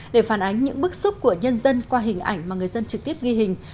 để phản ánh những bức xúc của nhân dân qua hình ảnh mà người dân trực tiếp ghi hình